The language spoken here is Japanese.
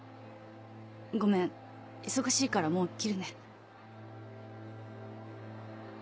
ごめん忙しいからもう切るね。